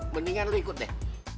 mendingan lo ikut deh